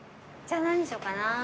じゃあ何にしようかな。